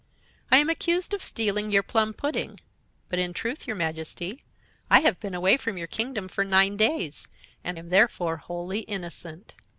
"I am accused of stealing your plum pudding; but, in truth, your Majesty, I have been away from your kingdom for nine days, and am therefore wholly innocent."